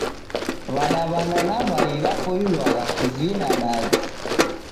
W'adaw'ana na w'ai w'apoilwagha kuvina dazi